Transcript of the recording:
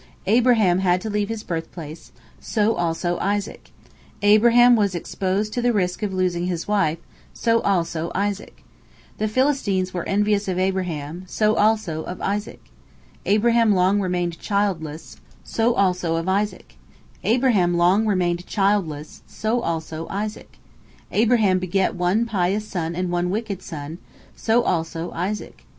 Abraham had to leave his birthplace; so also Isaac. Abraham was exposed to the risk of losing his wife; so also Isaac. The Philistines were envious of Abraham; so also of Isaac. Abraham long remained childless; so also Isaac. Abraham begot one pious son and one wicked son; so also Isaac.